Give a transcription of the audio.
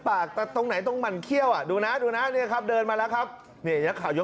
นายกเศรษฐศาสตร์เชิญไปแล้วก็ทันที่สำเนียบและสบาย